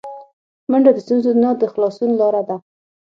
منډه د ستونزو نه د خلاصون لاره ده